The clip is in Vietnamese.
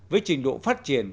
với trình độ phát triển